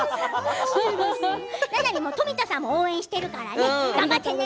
ななみも富田さんも応援しているからね、頑張ってね。